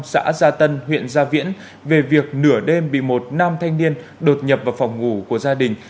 xã gia tân huyện gia viễn về việc nửa đêm bị một nam thanh niên đột nhập vào phòng ngủ của gia đình